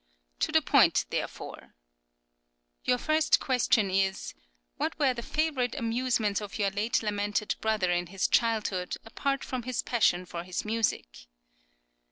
To the point therefore! Your first question is: "What were the favourite amusements of your late lamented brother in his childhood, apart from his passion for his music?"